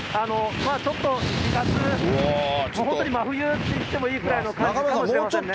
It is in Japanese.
ちょっと２月、本当に真冬っていってもいいくらいの感じかもしれませんね。